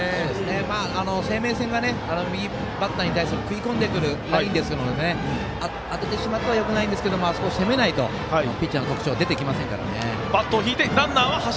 生命線が右バッターに対する食い込んでくるラインですので当ててしまってはよくないですけどそこを攻めないとピッチャーの特徴が出てきませんからね。